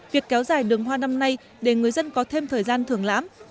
việc kéo dài đường hoa năm nay để người dân có thêm thời gian thưởng lãm